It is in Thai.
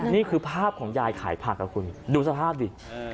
นี่คือภาพของยายขายผักครับคุณดูสภาพดิ